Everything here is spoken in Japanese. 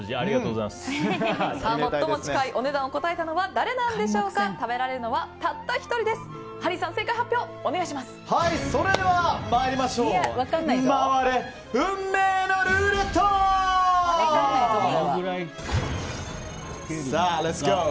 最も近いお値段を答えたのは誰なんでしょうか。